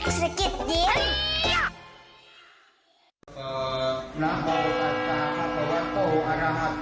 พระสวัสดิ์โตอาราฮัตโตสัมมาสัมพุทธศาสตร์น้าโมตัสตร์พระสวัสดิ์โตอาราฮัตโตสัมมาสัมพุทธศาสตร์